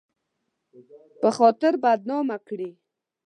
په خاطر بدنامه کړي